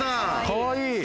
かわいい！